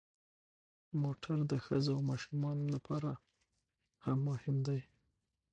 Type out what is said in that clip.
موټر د ښځو او ماشومانو لپاره هم مهم دی.